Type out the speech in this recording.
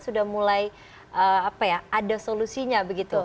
sudah mulai ada solusinya begitu